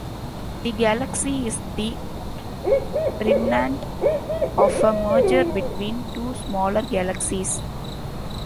The galaxy is the remnant of a merger between two smaller galaxies.